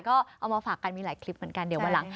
ก็เอามาฝากกันมีหลายคลิปเหมือนกันเดี๋ยววันหลัง